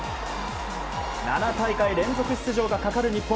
７大会連続出場がかかる日本。